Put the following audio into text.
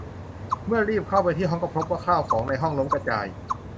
เมื่อรีบเข้าไปที่ห้องก็พบว่าข้าวของในห้องล้มกระจาย